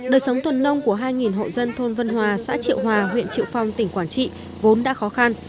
đời sống tuần nông của hai hộ dân thôn vân hòa xã triệu hòa huyện triệu phong tỉnh quảng trị vốn đã khó khăn